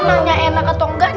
nanya enak atau enggak